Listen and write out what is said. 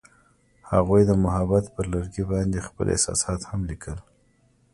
هغوی د محبت پر لرګي باندې خپل احساسات هم لیکل.